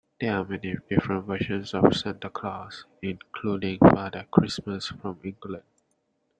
There are many different versions of Santa Claus, including Father Christmas from England